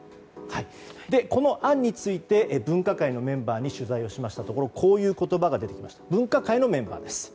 この案について分科会のメンバーに取材をしましたところこういう言葉が出てきました。